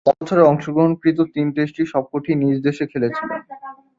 চার বছরের অংশগ্রহণকৃত তিন টেস্টে সবকটিই নিজদেশে খেলেছিলেন।